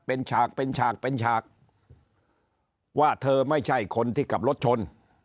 เป็นฉากเป็นฉากเป็นฉากว่าเธอไม่ใช่คนที่ขับรถชน